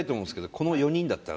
この４人だったら？